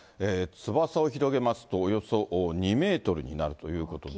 翼を広げますと、およそ２メートルになるということで。